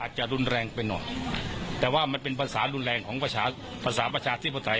อาจจะรุนแรงไปหน่อยแต่ว่ามันเป็นภาษารุนแรงของภาษาภาษาศิษฐร์ไทย